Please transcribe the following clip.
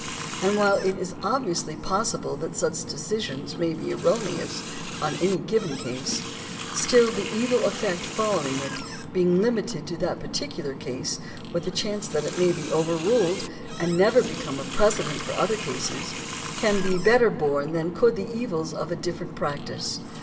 And while it is obviously possible that such decisions may be erroneous in any given case, still the evil effect follow ing it, being limited to that particular case, with the chance that it may be overruled and never become a precedent for other cases, can better be borne than could the evils of a different practice.